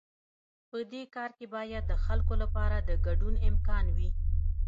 په دې کار کې باید د خلکو لپاره د ګډون امکان وي.